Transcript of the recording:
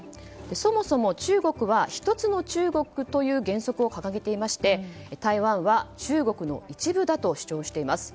そもそも、中国は一つの中国という原則を掲げていまして台湾は中国の一部だと主張しています。